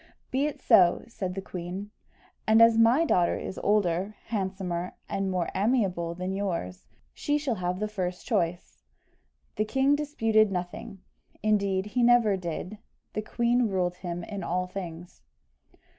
"Be it so," said the queen; "and as my daughter is older, handsomer, and more amiable than yours, she shall have the first choice." The king disputed nothing; indeed, he never did the queen ruled him in all things.